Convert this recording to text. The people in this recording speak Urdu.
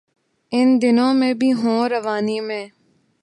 ان دنوں میں بھی ہوں روانی میں